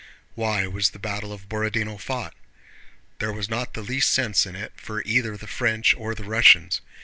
Why was the battle of Borodinó fought? There was not the least sense in it for either the French or the Russians.